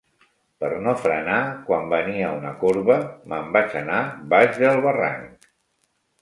Per no frenar, quan venia una corba, me'n vaig anar, baix del barranc.